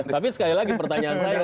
tapi sekali lagi pertanyaan saya